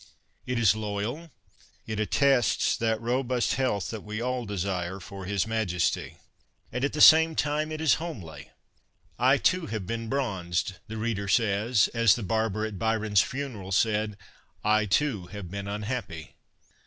It is loyal, it attests that robust health that we all desire for his Majesty, and at the same time it is homely. " I, too, have been bronzed," the reader says, as the barber at Byron's funeral said, " I, too, have been unhappy."